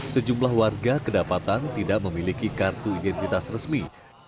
sejumlah warga kedapatan tidak memiliki kartu identitas resmi